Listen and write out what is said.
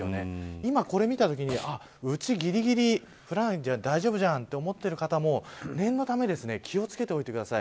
今これを見たときに家、ぎりぎり降らないんじゃん大丈夫じゃんと思っている方も念のため気を付けておいてください。